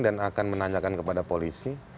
dan akan menanyakan kepada polisi